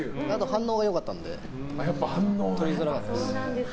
反応が良かったので取りづらかったです。